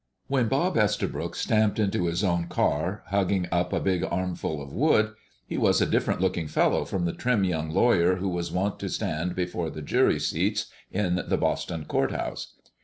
When Bob Estabrook stamped into his own car, hugging up a big armful of wood, he was a different looking fellow from the trim young lawyer who was wont to stand before the jury seats in the Boston Court House.